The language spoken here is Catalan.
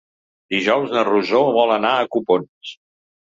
Dijous na Rosó vol anar a Copons.